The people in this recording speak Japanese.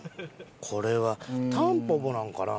これはタンポポなんかな？